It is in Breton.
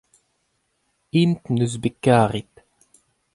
int neus bet karet.